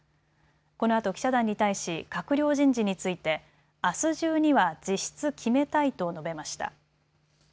このあと記者団に対し閣僚人事についてあす中には実質決めたいと述べました。